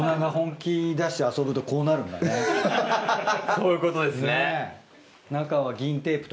そういうことですね。